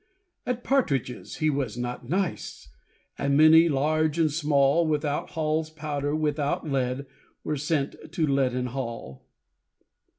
At partridges he was not nice; And many, large and small, Without Hall's powder, without lead, Were sent to Leaden Hall.